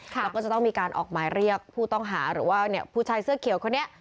แล้วก็จะต้องมีการออกหมายเรียกผู้ต้องหาหรือว่าผู้ชายเสื้อเขียวคนนี้